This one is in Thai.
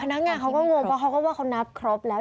นักงานเขาก็งงเพราะเขาก็ว่าเขานับครบแล้ว